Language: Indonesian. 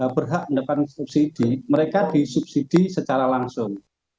berhak mendapatkan subsidi mereka disubsidi secara langsung